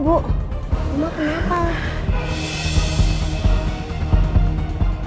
bu bos kenapa bu